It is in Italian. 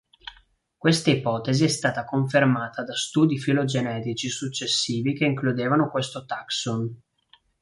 Questa ipotesi è stata confermata da studi filogenetici successivi che includevano questo taxon.